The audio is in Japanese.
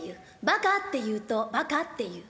『ばか』っていうと『ばか』っていう。